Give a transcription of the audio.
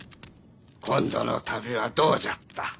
今度の旅はどうじゃった？